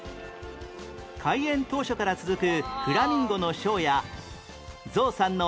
開園当初から続くフラミンゴのショーや